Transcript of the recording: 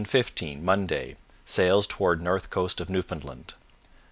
15 Monday Sails toward north coast of Newfoundland.